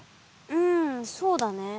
うんそうだね。